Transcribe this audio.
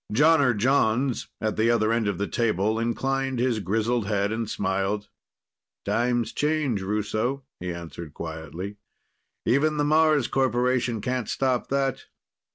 Jonner Jons, at the other end of the table, inclined his grizzled head and smiled. "Times change, Russo," he answered quietly. "Even the Mars Corporation can't stop that."